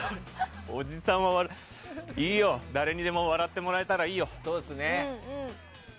いいよ、誰にでも笑ってもらえたらいいよ。